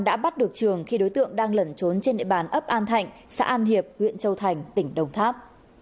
đã bắt được trường khi đối tượng đang lẩn trốn trên địa bàn ấp an thạnh xã an hiệp huyện châu thành tỉnh đồng tháp